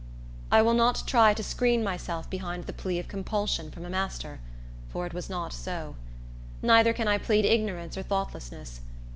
I will not try to screen myself behind the plea of compulsion from a master; for it was not so. Neither can I plead ignorance or thoughtlessness.